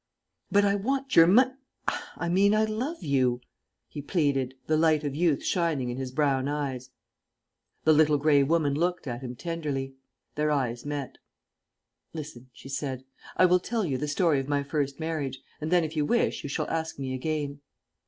"But I want your mon I mean I love you," he pleaded, the light of youth shining in his brown eyes. The Little Grey Woman looked at him tenderly. Their eyes met. "Listen," she said. "I will tell you the story of my first marriage, and then if you wish you shall ask me again."